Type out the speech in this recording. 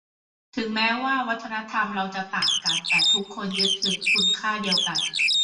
ถึงแม้ว่าวัฒนธรรมเราจะต่างกัน แต่ทุกคนยึดถือคุณค่าเดียวกัน